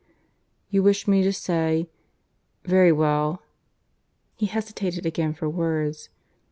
"You wish me to say? Very well " He hesitated again for words.